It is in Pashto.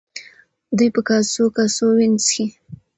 دوی په کاسو کاسو وینې څښي.